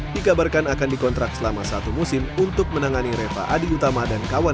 dikabarkan akan dikontrak selama satu musim untuk menangani reva adi utama dan kawan